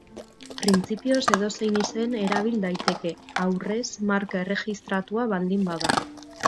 Printzipioz edozein izen erabil daiteke, aurrez marka erregistratua baldin bada.